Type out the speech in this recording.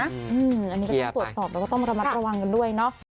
อันนี้ก็ต้องตรวจสอบแล้วก็ต้องระมัดระวังกันด้วยเนาะ